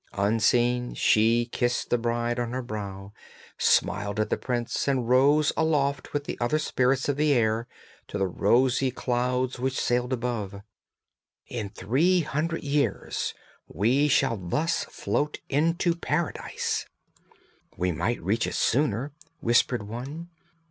Unseen she kissed the bride on her brow, smiled at the prince, and rose aloft with the other spirits of the air to the rosy clouds which sailed above. 'In three hundred years we shall thus float into Paradise.' 'We might reach it sooner,' whispered one.